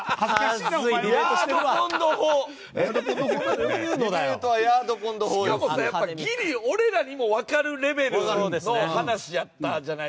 しかもさやっぱりギリ俺らにもわかるレベルの話やったじゃないですか。